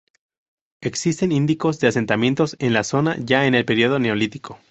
Existen indicios de asentamientos en la zona ya en el periodo neolítico.